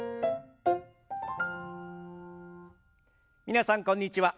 皆さんこんにちは。